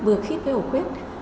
vừa khít với ổ khuyết